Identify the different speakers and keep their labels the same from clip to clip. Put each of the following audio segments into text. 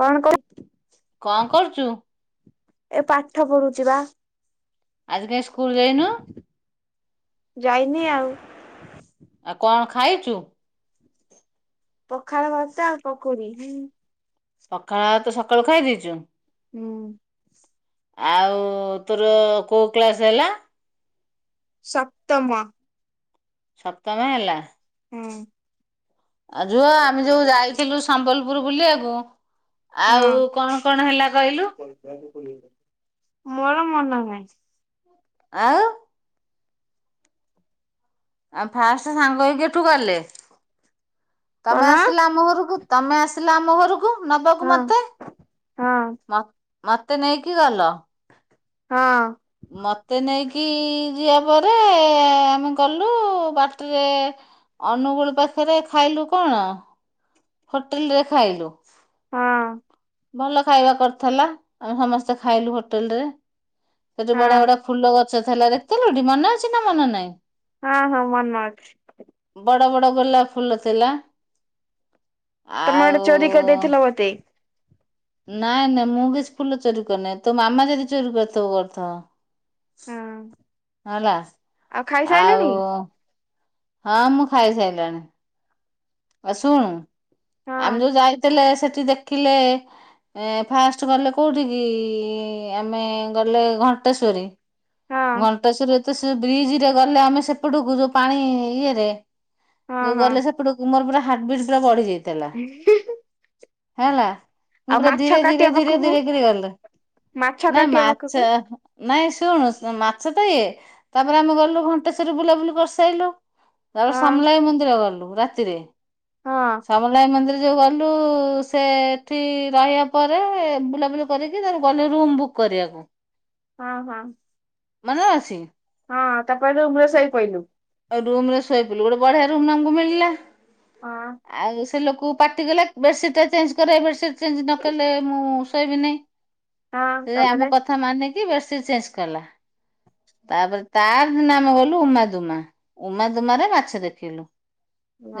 Speaker 1: କଣ କର?
Speaker 2: କଁ କରୁଚୁ?
Speaker 1: ଏ ପାଠ ପଢ଼ୁଚି ବା।
Speaker 2: ଆଜି କାଇଁ ସ୍କୁଲ ଯାଇନୁ?
Speaker 1: ଯାଇନି ଆଉ।
Speaker 2: ଆଉ କଣ ଖାଇଚୁ?
Speaker 1: ପଖାଳ ଭାତ ଆଉ ପକୁଡି ହୁଁ।
Speaker 2: ପଖାଳ ଭାତ ସକାଳୁ ଖାଇ ଦେଇଚୁ?
Speaker 1: ହୁଁ।
Speaker 2: ଆଉ ତୋର କୋଉ କ୍ଲାସ୍ ହେଲା?
Speaker 1: ସପ୍ତମ।
Speaker 2: ସପ୍ତମ ହେଲା?
Speaker 1: ହଁ।
Speaker 2: ଆଉ ଝୁଅ ଆମେ ଯୋଉ ଯାଇଥିଲୁ ସମ୍ବଲପୁର ବୁଲିବାକୁ ଆଉ
Speaker 1: ହଁ
Speaker 2: କଣ କଣ ହେଲା କହିଲୁ?
Speaker 1: ମୋର ମନ ନାହିଁ।
Speaker 2: ଆଉ? ଆଉ ଫାଷ୍ଟ ସାଙ୍ଗ ହେଇକି ଏଠୁ ଗଲେ। ତମେ
Speaker 1: କଣ
Speaker 2: ଆସିଲ ଆମ ଘରକୁ ତମେ ଆସିଲ ଆମ ଘରକୁ। ନବାକୁ
Speaker 1: ହଁ
Speaker 2: ମତେ
Speaker 1: ହଁ
Speaker 2: ମତ ମତେ ନେଇକି ଗଲ।
Speaker 1: ହଁ।
Speaker 2: ମତେ ନେଇକି ଯିବା ପରେ ଆମେ ଗଲୁ ବାଟରେ ଅନୁଗୁଳ ପାଖରେ ଖାଇଲୁ କଣ? ହୋଟେଲ ରେ ଖାଇଲୁ।
Speaker 1: ହଁ
Speaker 2: ଭଲ ଖାଇବା କରିଥିଲା। ଆମେ ସମସ୍ତେ ଖାଇଲୁ ହୋଟେଲ ରେ ସେଠି ବଢିଆ
Speaker 1: ହଁ।
Speaker 2: ବଢିଆ ଫୁଲ ଗଛ ଥିଲା ଦେଖିଥିଲୁଠି ମନେ ଅଛି ନା ମନେ ନାହିଁ?
Speaker 1: ହଁ ହଁ ମନ ଅଛି।
Speaker 2: ବଡ଼ ବଡ଼ ଗୋଲାପ ଫୁଲ ଥିଲା।
Speaker 1: ତମେ ଗୋଟେ
Speaker 2: ଆଉ
Speaker 1: ଚୋରି କରିଦେଇଥିଲ ଗୋଟେ।
Speaker 2: ନାଇଁ ନାଇଁ ମୁଁ କିଛି ଫୁଲ ଚୋରି କରିନାଇଁ। ତୋ ମାମା ଯଦି ଚୋରି କରିଥବ କରିଥବ।
Speaker 1: ହୁଁ।
Speaker 2: ହେଲା ଆଉ ହଁ ମୁଁ ଖାଇସାଇଲେଣି। ଆ ଶୁଣୁ
Speaker 1: ହଁ
Speaker 2: ଆମେ ଯୋଉ ଯାଇଥିଲେ ସେଠି ଦେଖିଲେ ଏ ଫାଷ୍ଟ ଗଲେ କେଉଠିକି ଆମେ ଗଲେ ଘଣ୍ଟେଶ୍ୱରି।
Speaker 1: ହଁ
Speaker 2: ଘଣ୍ଟେଶ୍ୱରିରେ ତ ସେ ବ୍ରିଜରେ ଗଲେ ଆମେ ସେପଟକୁ ଯୋଉ ପାଣି ଇଏରେ
Speaker 1: ହଁ
Speaker 2: ଯୋଉ
Speaker 1: ହଁ।
Speaker 2: ଗଲେ ସେପଟକୁ ମୋର ପୁରା ହାର୍ଟ ବିଟ୍ ପୁରା ବଢିଯାଇ
Speaker 1: [unintelligible]
Speaker 2: ହେଲା ମୁଁ
Speaker 1: ଆଉ
Speaker 2: ପୁରା
Speaker 1: ମାଛ
Speaker 2: ଧୀରେ ଧୀରେ
Speaker 1: କାଟିବା
Speaker 2: ଧୀରେ
Speaker 1: ପାଖକୁ
Speaker 2: ଧୀରେ କିରି ଗଲି,
Speaker 1: ମାଛ
Speaker 2: ନାଇଁ
Speaker 1: କାଟିବା ପାଖକୁ
Speaker 2: ମାଛ ନାଇଁ ଶୁଣୁ ମାଛ ତ ଇଏ। ତାପରେ ଆମେ ଗଲୁ ଘଣ୍ଟେଶ୍ୱରି ବୁଲାବୁଲି କରିସାଇଲୁ। ତାପରେ
Speaker 1: ହଁ
Speaker 2: ସମଲାଇ ମନ୍ଦିର ଗଲୁ ରାତିରେ।
Speaker 1: ହଁ
Speaker 2: ସମ ମଲାଇ ମନ୍ଦିର ଯୋଉ ଗଲୁ ସେ ଏଠି ରହିବା ପରେ ବୁଲାବୁଲି କରିକି ତା ଗଲୁ ରୁମ୍ ବୁକ୍ କରିଆକୁ।
Speaker 1: ହଁ ହଁ।
Speaker 2: ମନେ ଅଛି?
Speaker 1: ହଁ ତାପରେ ରୁମ୍ ରେ ଶୋଇ ପଇଲୁ।
Speaker 2: ଆଉ ରୁମରେ ଶୋଇପଇଲୁ ଗୋଟେ ବଢିଆ ରୁମ୍ ଆମକୁ ମିଳିଲା,
Speaker 1: ହଁ
Speaker 2: ଆଉ ସେ ଲୋକକୁ ପାଟିକଲା। ବେଡସିଟ୍ ଟା ଚେଞ୍ଜ କରେ ବେଡସିଟ୍ ଚେଞ୍ଜ ନକଲେ ମୁଁ ଶୋଇବିିନାଇ।
Speaker 1: ହଁ
Speaker 2: ସେ ଯେ ଆମ
Speaker 1: ତାପରେ
Speaker 2: କଥା ମାନିକି ବେଡସିଟ୍ ଚେଞ୍ଜ କଲା। ତାପରେ ତା ଆରଦିନ ଆମେ ଗଲୁ ଉମାଦୁମା, ଉମାଦୁମାରେ ମାଛ ଦେଖିଲୁ।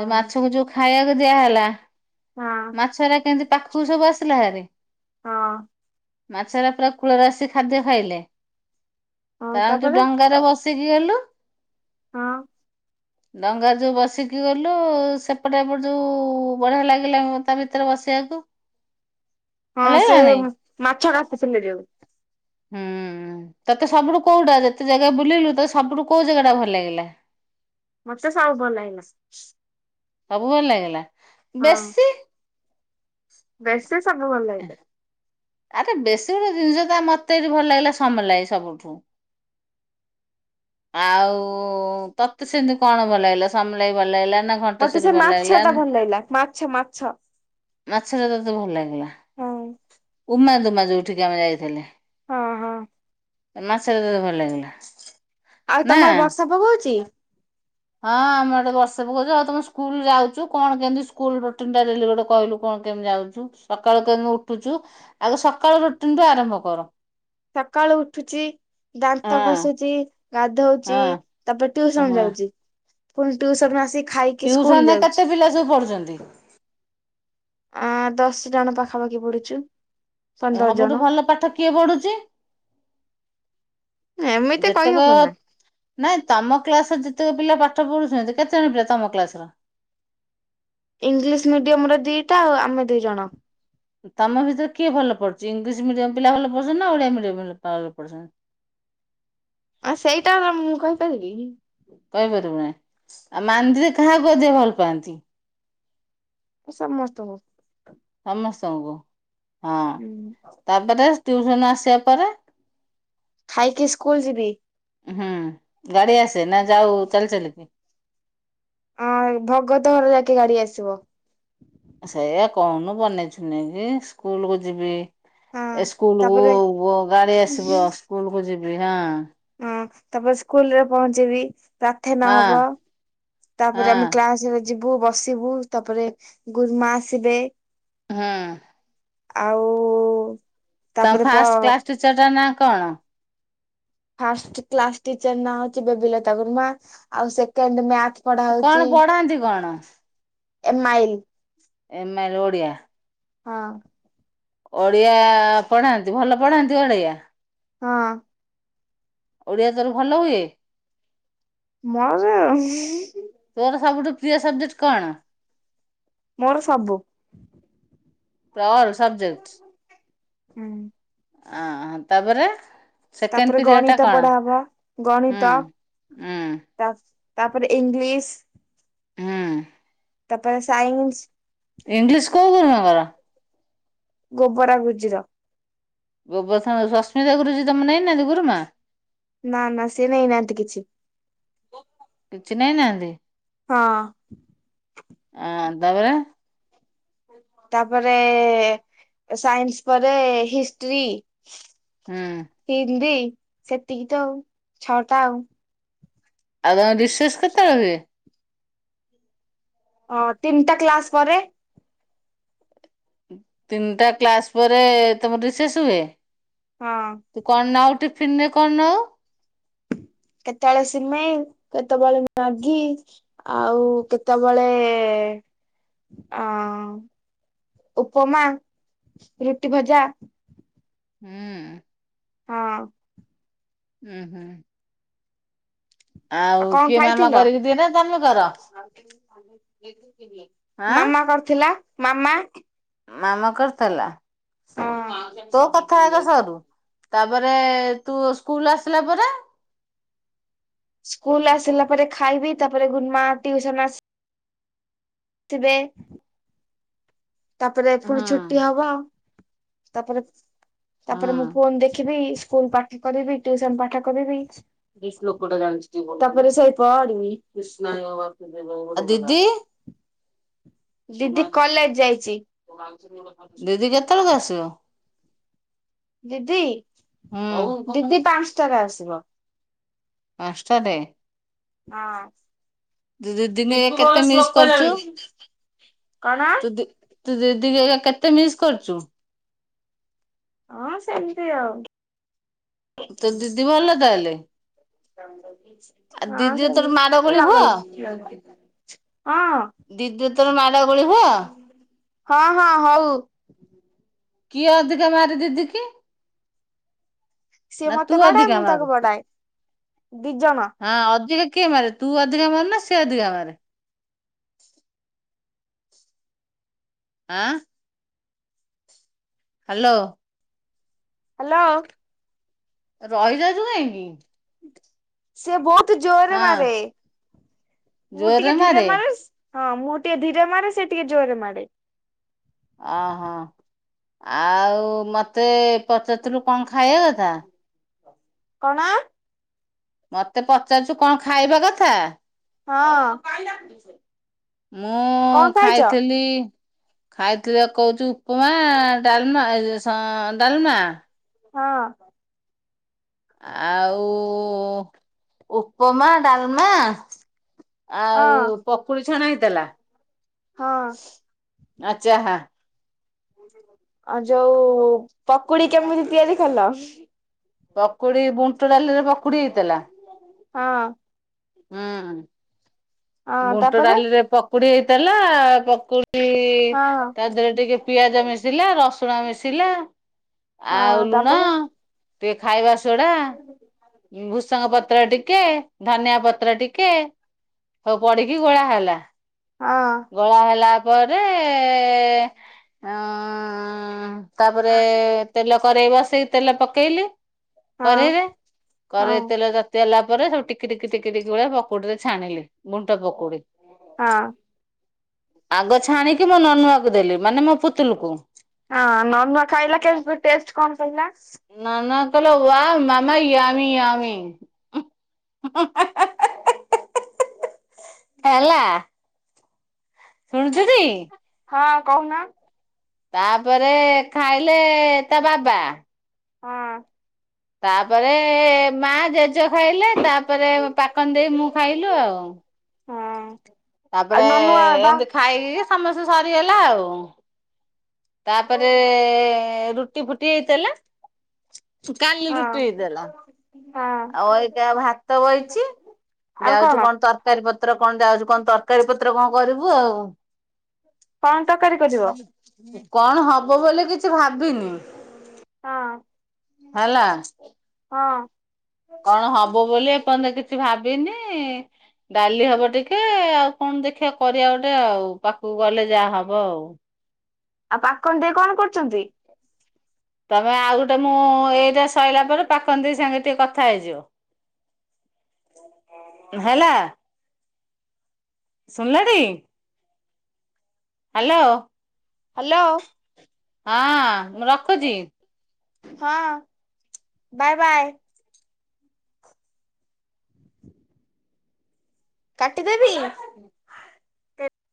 Speaker 2: ଯେ ମାଛକୁ ଯୋଉ ଖାଇବାକୁ ଦିଆହେଲା
Speaker 1: ହଁ
Speaker 2: ମାଛଗରା କେମତି ପା କୁଲ୍‌ ସବୁ ଆସିଲେ ହାରି।
Speaker 1: ହଁ।
Speaker 2: ମାଛ ହେରା ପୁରା କୂଳରେ ଆସିି ଖାଦ୍ୟ ଖାଇଲେ।
Speaker 1: ହଁ
Speaker 2: ତା ତୁ
Speaker 1: ତାପରେ
Speaker 2: ଡଙ୍ଗାରେ ବସିକି ଗଲୁ।
Speaker 1: ହଁ।
Speaker 2: ଡଙ୍ଗା ଯୋଉ ବସିକି ଗଲୁ ସେପଟେ ଏପଟେ ଯୋଉ ବଢିଆ ଲାଗିଲା ମତେ। ତା ଭିତରେ ବସିଆକୁ।
Speaker 1: ହଁ ସେ ମାଛ କାଟୁଥିଲେ ଯୋଉ।
Speaker 2: ହୁଁ ତତେ ସବୁଠୁ କୋଉଟା ଯେତେ ଜାଗା ବୁଲିଲୁ ତତେ ସବୁଠୁ କୋଉ ଜାଗାଟା ଭଲ ଲାଗିଲା?
Speaker 1: ମତେ ସବୁ ଭଲ ଲାଗିଲା।
Speaker 2: ସବୁ ଭଲ ଲାଗିଲା,
Speaker 1: ହଁ
Speaker 2: ବେଶୀ
Speaker 1: ବେଶୀ ସବୁ ଭଲ ଲାଗିଲା।
Speaker 2: ଆରେ ବେଶୀ ଗୋଟେ ଜିନିଷ ତ ମତେ ବି ଭଲ ଲାଗିଲା ସମଲାଇ ସବୁଠୁ। ଆଉ ତତେ ସେମିତି କଣ ଭଲ ଲାଗିଲା ସମଲାଇ ଭଲ ଲାଗିଲା ନା
Speaker 1: ମତେ
Speaker 2: ଘଣ୍ଟେଶ୍ଵରୀ
Speaker 1: ସେ
Speaker 2: ଭଲ
Speaker 1: ମାଛଟା ଭଲ ଲାଗିଲା ମାଛ-ମାଛ।
Speaker 2: ମାଛଟା ତତେ ଭଲ ଲାଗିଲା
Speaker 1: ହଁ
Speaker 2: ଉମା ଦୁମା ଯୋଉଠିକି ଆମେ ଯାଇଥିଲେ।
Speaker 1: ହଁ-ହଁ।
Speaker 2: ମାଛଟା ତେତେ ଭଲ ଲାଗିଲା?
Speaker 1: ଆଉ
Speaker 2: ନା
Speaker 1: ତମର ବର୍ଷା ପକଉଚି?
Speaker 2: ହଁ ଆମ ଆଡେ ବର୍ଷା ପକଉଚି, ଆଉ ତମ ସ୍କୁଲ ଯାଉଚୁ କଣ କେମିତି ସ୍କୁଲ ରୁଟିନ ଟା ଡେଲି ଗୋଟେ କହିଲୁ କଣ କେମିତି ଯାଉଚୁ ସକାଳୁ କେମିତି ଉଠୁଚୁ ଆଗ ସକାଳୁ ରୁଟିନ ଟୁ ଆରମ୍ଭ କର?
Speaker 1: ସକାଳୁ ଉଠୁଛି ଦାନ୍ତ
Speaker 2: ହଁ
Speaker 1: ଘଷୁଚି ଗାଧଉଚି
Speaker 2: ହଁ
Speaker 1: ତାପରେ ଟ୍ୟୁସନ୍
Speaker 2: ହଁ
Speaker 1: ଯାଉଛି ପୁଣି ଟ୍ୟୁସନ ଆସି ଖାଇକି ସ୍କୁଲ
Speaker 2: ଟ୍ୟୁସନ ରେ
Speaker 1: ଯାଉଛି
Speaker 2: କେତେ ପିଲା ସବୁ ପଢୁଚନ୍ତି?
Speaker 1: ଆମେ ଦଶ ଜଣ ପାଖାପାଖି ପଡୁଛୁ।
Speaker 2: ସବୁଠୁ ଭଲ ପାଠ କିଏ ପଢୁଛି?
Speaker 1: ଏମିତି
Speaker 2: ଯେତେକ
Speaker 1: କହିହବ ନା।
Speaker 2: ନାଇଁ ତମ କ୍ଲାସ୍ ର ଯେତେକ ପିଲା ପାଠ ପଢୁଚନ୍ତି କେତେଜଣ ପିଲା ତମ କ୍ଲାସ୍ ର?
Speaker 1: ଇଂଲିଶ ମିଡିୟମ ର ଦିଟା ଆଉ ଆମେ ଦି ଜଣ।
Speaker 2: ତମ ଭିତରେ କିଏ ଭଲ ପଢୁଛି ଇଂଲିଶ ମିଡିୟମ ପିଲା ଭଲ ପଢୁଛନ୍ତି ନା ଓଡିଆ ମିଡିୟମ ପିଲା ଭଲ ପଢୁଛନ୍ତି।
Speaker 1: ଆ ସେଇଟା ହେଲା ମୁଁ କହିପାରିବିକି।
Speaker 2: କହିପାରିବୁ ନାହିଁ ଆଉ ମାନି ଦିଦି କାହାକୁ ଅଧିକ ଭଲ ପାଆନ୍ତି।
Speaker 1: ସେ ସମସ୍ତଙ୍କୁ।
Speaker 2: ସମସ୍ତଙ୍କୁ ହଁ
Speaker 1: ହୁଁ
Speaker 2: ତାପରେ ଟିୟୁସନ୍ ଆସିବା ପରେ
Speaker 1: ଖାଇକି ସ୍କୁଲ ଯିବି।
Speaker 2: ହୁଁ ଗାଡି ଆସେ ନା ଯାଉ ଚାଲି ଚାଲିିକି?
Speaker 1: ହଁ ଭଗତ ଘର ଯାକେ ଗାଡି ଆସିବ।
Speaker 2: ସେଇୟା କହୁନୁ ବନେଇଛୁ ନେଇକି ସ୍କୁଲ କୁ ଯିବି।
Speaker 1: ହଁ
Speaker 2: ସ୍କୁଲ
Speaker 1: ତାପରେ
Speaker 2: କୁ ଗାଡି ଆସିବ ସ୍କୁଲ କୁ ଯିବି ହଁ।
Speaker 1: ହଁ ତାପରେ ସ୍କୁଲ ରେ ପହଞ୍ଚିବି। ପ୍ରାର୍ଥନା
Speaker 2: ହଁ
Speaker 1: ହବ ତାପରେ ଆମେ
Speaker 2: ହଁ
Speaker 1: କ୍ଲାସରେ ଯିବୁ ବସିବୁ ତାପରେ ଗୁରୁମା ଆସିବେ
Speaker 2: ହଁ।
Speaker 1: ଆଉ
Speaker 2: ତମ
Speaker 1: ତାପରେ ପ
Speaker 2: ଫାଷ୍ଟ କ୍ଲାସ ଟିଚର ଟା ନାଁ କଣ?
Speaker 1: ଫାଷ୍ଟ କ୍ଲାସ ଟିଚରନା ହଚି ବେବିଲତା ଗୁରୁମା ଆଉ ସେକେଣ୍ଡ ମ୍ୟାଥ ପଢା
Speaker 2: କଣ
Speaker 1: ହଉଚି
Speaker 2: ପଢାନ୍ତି କଣ?
Speaker 1: ଏ ମାଇଲ।
Speaker 2: ଏମାଇଲ୍ ଓଡିଆ।
Speaker 1: ହଁ।
Speaker 2: ଓଡିଆ ପଢାନ୍ତି ଭଲ ପଢାନ୍ତି ଓଡିଆ।
Speaker 1: ହଁ।
Speaker 2: ଓଡିଆ ତୋର ଭଲ ହୁଏ।
Speaker 1: ମାଉସୀ ଉଁ।
Speaker 2: ତୋର ସବୁଠୁ ପ୍ରିୟ ସବଜେକ୍ଟ କଣ।
Speaker 1: ମୋର ସବୁ।
Speaker 2: ତ ଅଲ ସବଜେକ୍ଟ
Speaker 1: ହୁଁ
Speaker 2: ହଁ ତାପରେ ସେକେଣ୍ଡ
Speaker 1: ତାପରେ
Speaker 2: ପିରିୟଡ଼ ଟା
Speaker 1: ଗଣିତ ପଢା
Speaker 2: କଣ?
Speaker 1: ହବ
Speaker 2: ହୁଁ
Speaker 1: ଗଣିତ।
Speaker 2: ହୁଁ
Speaker 1: ତାପ୍ ତାପରେ ଇଂଲିଶ୍।
Speaker 2: ହୁଁ।
Speaker 1: ତାପରେ ସାଇନ୍ସ।
Speaker 2: ଇଂଲିଶ କୋଉ ଗୁରୁମାଙ୍କର।
Speaker 1: ଗୋବରା ଗୁରୁଜୀର।
Speaker 2: ଗୋଵର୍ଦ୍ଧନ ସସ୍ମିତା ଗୁରୁଜୀ ତମ ନେଇନାହାନ୍ତି ଗୁରୁମା।
Speaker 1: ନା ନା ସିଏ ନେଇନାହାନ୍ତି କିଛି।
Speaker 2: କିଛି ନେଇନାହାନ୍ତି।
Speaker 1: ହଁ।
Speaker 2: ଆଁ ତାବରେ।
Speaker 1: ତାପରେ ସାଇନ୍ସ ପରେ ହିଷ୍ଟ୍ରି।
Speaker 2: ହଁ।
Speaker 1: ହିନ୍ଦୀ ସେତିକି ତ ଆଉ ଛଅଟା ଆଉ।
Speaker 2: ଆଉ ତମ ରିସେଶ କେତେବେଳେ।
Speaker 1: ଅ ତିନିଟା କ୍ଲାସ ପରେ।
Speaker 2: ତିନିଟା କ୍ଲାସ୍ ପରେ ତମର ରିସେସ୍ ହୁଏ।
Speaker 1: ହଁ।
Speaker 2: ତୁ କଣନଉ ଟିଫିନ୍ ରେ କଣ ନଉ।
Speaker 1: କେତେବେଳେ ସିମେଇ କେତେବେଳେ ମ୍ୟାଗି। ଆଉ କେତେବେଳେ ଅଁ। ଉପମା ରୁଟି ଭଜା।
Speaker 2: ହୁଁ।
Speaker 1: ହଁ।
Speaker 2: ହୁଁ ହୁଁ। ଆଉ
Speaker 1: କଣ
Speaker 2: କିଏ ମାମା
Speaker 1: ଖାଇଥିଲ?
Speaker 2: କରିକି ଦିଏ ନା ତମେ କର? ଆଁ
Speaker 1: ମାମା କରିଥିଲା ମାମା।
Speaker 2: ମାମା କରିଥିଲା
Speaker 1: ହଁ।
Speaker 2: ତୋ କଥା ଆଗ ସରୁ। ତାପରେ ତୁ ସ୍କୁଲ ଆସିଲା ପରେ
Speaker 1: ସ୍କୁଲ ଆସିଲା ପରେ ଖାଇବି ତାପରେ ଗୁରୁମା ଟିୁୟୁସନ ଆସ ଥିବେ ତାପରେ
Speaker 2: ହୁଁ
Speaker 1: ପୁଣି ଛୁଟି ହବ ତାପରେ
Speaker 2: ହୁଁ
Speaker 1: ତାପରେ ମୁଁ ଫୋନ ଦେଖିବି ସ୍କୁଲ ପାଠ କରିବି ଟିୟୁସନ ପାଠ କରିବି। ତାପରେ ସେଇ ପଡିବି।
Speaker 2: ଆଉ ଦିଦି?
Speaker 1: ଦିଦି କଲେଜ ଯାଇଚି।
Speaker 2: ଦିଦି କେତେବେଳକୁ ଆସିବ?
Speaker 1: ଦିଦି
Speaker 2: ହୁଁ
Speaker 1: ଦିଦି ପାଞ୍ଚଟାରେ ଆସିବ।
Speaker 2: ପାଞ୍ଚଟାରେ?
Speaker 1: ହଁ।
Speaker 2: ତୁ ଦିଦିକି କେତେ ମିସ୍ କରିଛୁ?
Speaker 1: କଣ?
Speaker 2: ତୁ ଦି ତୁ ଦିଦିକୁ ଏଇଖା କେତେ ମିସ୍ କରୁଛୁ?
Speaker 1: ହଁ ସେମିତି ଆଉ।
Speaker 2: ତୋ ଦିଦି ଭଲ ତାହେଲେ? ଆଉ
Speaker 1: ହଁ
Speaker 2: ଦିଦି ତୋର ମାଡ
Speaker 1: ସେମିତି
Speaker 2: ଗୋଳି
Speaker 1: ନ
Speaker 2: ହୁଅ?
Speaker 1: ଗଲେ [unintelligible] ହଁ
Speaker 2: ଦିଦି ତୋର ମାଡ ଗୋଳି ହୁଅ?
Speaker 1: ହଁ ହଁ ହଉ।
Speaker 2: କିଏ ଅଧିକା ମାରେ ଦିଦି କି?
Speaker 1: ସିଏ
Speaker 2: ନା ତୁ
Speaker 1: ମତେ ବାଡାଏ
Speaker 2: ଅଧିକା
Speaker 1: ମୁଁ
Speaker 2: ମାରୁ?
Speaker 1: ତାକୁ ବାଡାଏ ଦି ଜଣ।
Speaker 2: ହଁ ଅଧିକା କିଏ ମାରେ ତୁ ଅଧିକା ମାରୁ ନା ସେ ଅଧିକା ମାରେ? ଆଁ। ହାଲୋ।
Speaker 1: ହାଲୋ।
Speaker 2: ରହିଯାଉଛୁ କାହିଁକି?
Speaker 1: ସେ ବହୁତ ଜୋରରେ
Speaker 2: ହଁ
Speaker 1: ମାରେ। ମୁଁ ଟିକେ ଧୀରେ ମାରେ ହଁ ମୁଁ ଟିକେ ଧୀରେ ମାରେ ସେ ଟିକେ ଜୋରେ ମାରେ।
Speaker 2: ଓହୋ ଆଉ ମତେ ପଚାରଥିଲୁ କଣ ଖାଇବା କଥା?
Speaker 1: କଣ?
Speaker 2: ମତେ ପଚାରୁଛୁ କଣ ଖାଇବା କଥା?
Speaker 1: ହଁ।
Speaker 2: ମୁଁ
Speaker 1: କଣ ଖାଇଛ
Speaker 2: ଖାଇଥିଲି ଖାଇଥିଲି ଆ କହୁଛୁ। ଉପମା, ଡାଲମା ଏ ସଂ ଡାଲମା।
Speaker 1: ହଁ।
Speaker 2: ଆଉ ଉପମା, ଡାଲମା। ଆଉ
Speaker 1: ହଁ
Speaker 2: ପକୁଡି ଛଣା ହେଇଥିଲା ଆ ଚାହା।
Speaker 1: ଆଉ ଯୋଉ ପକୁଡି କେମିତି ତିଆରି କଲ?
Speaker 2: ପକୁଡି ବୁଣ୍ଟ ଡାଲିରେ ପକୁଡି ହେଇଥିଲା।
Speaker 1: ହଁ।
Speaker 2: ହୁଁ
Speaker 1: ହଁ ତାପରେ
Speaker 2: ବୁଣ୍ଟଡାଲିରେ ପକୁଡି ହେଇଥିଲା ପକୁ ଇ
Speaker 1: ହଁ
Speaker 2: ତା ଦେହରେ ଟିକେ ପିଆଜ ମିଶିଲା ରସୁଣ ମିଶିଲା।
Speaker 1: ହଁ
Speaker 2: ଆଉ ଲୁଣ
Speaker 1: ତାପରେ
Speaker 2: ଟିକେ ଖାଇବା ସୋଡ଼ା।
Speaker 1: [inaudible]
Speaker 2: ଉଁ ଭୃସଙ୍ଗ ପତ୍ର ଟିକେ ଧନିଆ ପ ପତ୍ର ଟିକେ ପ-ପଡିକି ଗୋଳା ହେଲା।
Speaker 1: ହଁ।
Speaker 2: ଗୋଳା ହେଲା ପରେ ଅଁ। ତାପରେ ତେଲ କରେଇ ବସେଇ ତେଲ ପକେଇଲି।
Speaker 1: ହଁ
Speaker 2: କରେଇରେ
Speaker 1: ହଁ
Speaker 2: କରେଇ ତେଲ ତା ତିଗଲା ପରେ ସବୁ ଟିକି ଟିକି ଟିକି ଟିକି [unintelligible] ପକୁଡି ରେ ଛାଣିଲି ବୁଣ୍ଟ ପକୁଡି।
Speaker 1: ହଁ।
Speaker 2: ଆଗ ଛାଣିକି ମୋ ନନୁଆକୁ ଦେଲି ମାନେ ମୋ ପୁତୁଲୁକୁ।
Speaker 1: ହଁ ନନୁଆ ଖାଇଲା କେମିତି ଟେଷ୍ଟ କଣ କହିଲା?
Speaker 2: ନନୁଆ କହିଲା ୱା, ମାମା ୟାମି ୟାମି। [unintelligible] ହେଲା। ଶୁଣୁଛୁ କି?
Speaker 1: ହଁ, କହୁନ।
Speaker 2: ତାପରେ ଖାଇଲେ ତା ବାବା।
Speaker 1: ହଁ।
Speaker 2: ତାପରେ ମା ଜେଜ ଖାଇଲେ, ତାପରେ ପାକନ ଦେଇ ମୁଁ ଖାଇଲୁ ଆଉ।
Speaker 1: ହଁ। ଆଉ
Speaker 2: ତାପରେ
Speaker 1: ନନୁଆ ବା
Speaker 2: ଏମିତି ଖାଇକି, ସମସ୍ତେ ସରିଗଲା ଆଉ। ତାପରେ, ରୁଟି ଫୁଟି ହେଇଥେଲା, କାଲି ରୁଟି
Speaker 1: ହଁ
Speaker 2: ହେଇଥିଲା।
Speaker 1: ହଁ।
Speaker 2: ଆଉ ଅଇକା ଭାତ ବଇଚି, ଯାଉଚି କଣ ତର ତରକାରୀ ପତ୍ର, କଣ ଯାଉଚୁ କଣ ତରକାରୀ ପତ୍ର କଣ କରିବୁ ଆଉ।
Speaker 1: କଣ ତରକାରୀ କରିବ?
Speaker 2: କଣ ହବ ବୋଲି କିଛି ଭାବିନି।
Speaker 1: ହଁ।
Speaker 2: ହେଲା।
Speaker 1: ହଁ।
Speaker 2: କଣ ହବ ବୋଲି ଏ ପର୍ଯ୍ୟନ୍ତ କିଛି ଭାବିନି। ଡାଲି ହବ ଟିକେ, ଆଉ କଣ ଦେଖିବା କରିବା ଗୋଟେ ଆଉ, ପାଖକୁ ଗଲେ ଯାହା ହବ ଆଉ।
Speaker 1: ଆଉ ପାକନ ଦେଇ କଣ କରୁଚନ୍ତି?
Speaker 2: ତମେ ଆଉ ଗୋଟେ ମୁଁ ଏଇଟା ସରିଲା ପରେ ପାକନ ଦେଇ ସାଙ୍ଗେ ଟିକେ କଥା ହେଇଯିବ। ହେଲା। ଶୁଣିଲଟି। ହାଲୋ।
Speaker 1: ହାଲୋ।
Speaker 2: ହଁ, ମୁଁ ରଖୁଚି।
Speaker 1: ହଁ, ବାଏ ବାଏ। କାଟିଦେବି।